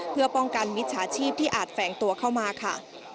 เพื่อป้องกันมิจฉาชีพที่อาจแฝงตัวเข้ามาค่ะ